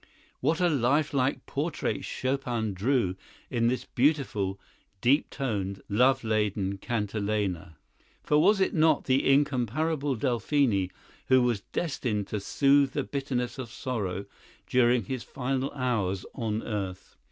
What a lifelike portrait Chopin drew in this "beautiful, deep toned, love laden cantilena"! For was it not the incomparable Delphine who was destined to "soothe the bitterness of sorrow" during his final hours on earth?